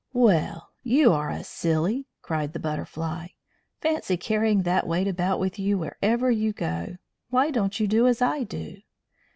"Well, you are a silly!" cried the Butterfly. "Fancy carrying that weight about with you wherever you go. Why don't you do as I do?"